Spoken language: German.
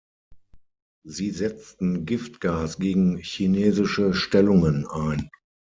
Sie setzten Giftgas gegen chinesische Stellungen ein.